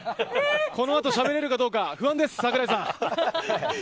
この後、喋れるかどうか不安です、櫻井さん。